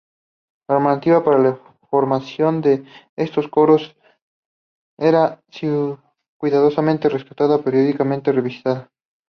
La normativa para la formación de estos coros era cuidadosamente redactada y periódicamente revisada.